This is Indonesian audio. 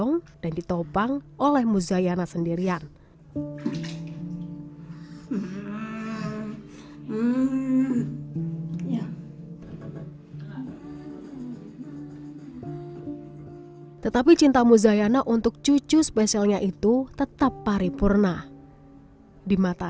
nazila selalu mengalami penyakit tersebut